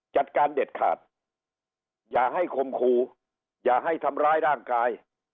จัดการเด็ดขาดอย่าให้คมครูอย่าให้ทำร้ายร่างกาย